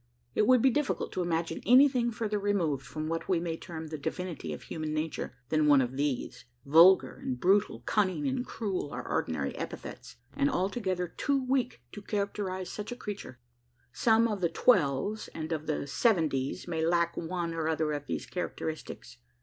It would be difficult to imagine anything further removed, from what we may term the "divinity of human nature," than one of these. Vulgar and brutal, cunning and cruel, are ordinary epithets; and altogether too weak to characterise such a creature. Some of the "twelves" and of the "seventies" may lack one or other of these characteristics.